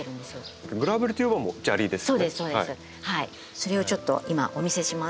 それをちょっと今お見せします。